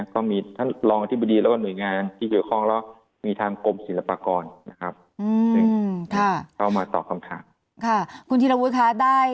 ก็มีท่านรองอธิบดี